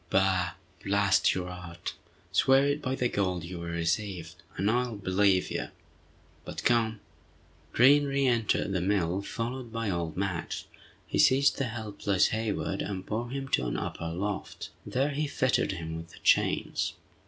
"Bah! blast your art! Swear it by the gold you will receive, and I'll believe you. But come!" Green reëntered the mill followed by old Madge. He seized the helpless Hayward and bore him to an upper loft. There he fettered him with the chains.